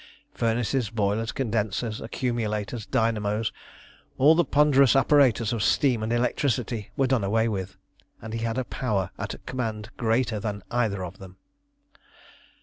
Furnaces, boilers, condensers, accumulators, dynamos all the ponderous apparatus of steam and electricity were done away with, and he had a power at command greater than either of them.